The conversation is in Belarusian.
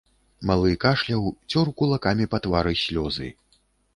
Малы кашляў, цёр кулакамі па твары слёзы.